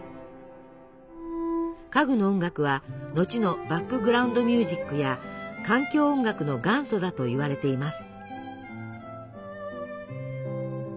「家具の音楽」は後のバックグラウンドミュージックや環境音楽の元祖だといわれています。